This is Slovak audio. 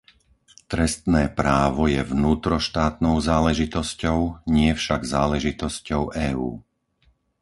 Trestné právo je vnútroštátnou záležitosťou, nie však záležitosťou EÚ.